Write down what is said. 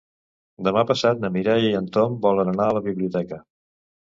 Demà passat na Mireia i en Tom volen anar a la biblioteca.